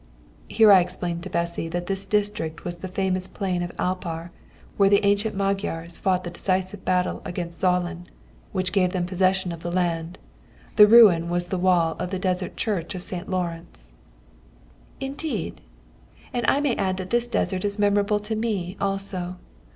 Here I explained to Bessy that this district was the famous plain of Alpar, where the ancient Magyars fought the decisive battle against Zalán, which gave them possession of the land; the ruin was the wall of the desert church of St. Laurence. "Indeed! and I may add that this desert is memorable to me also.